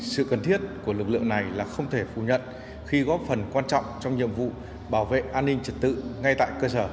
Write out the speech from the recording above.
sự cần thiết của lực lượng này là không thể phủ nhận khi góp phần quan trọng trong nhiệm vụ bảo vệ an ninh trật tự ngay tại cơ sở